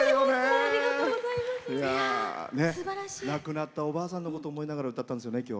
亡くなったおばあさんのことを思いながら歌ったんですよね。